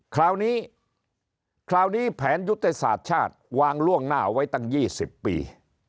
คราวนี้คราวนี้แผนยุทธศาสตร์ชาติวางล่วงหน้าไว้ตั้ง๒๐ปี